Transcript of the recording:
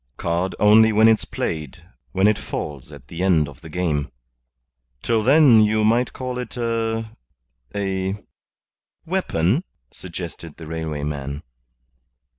"Card only when it's played; when it falls at the end of the game. Till then you may call it a a " "Weapon," suggested the railway man.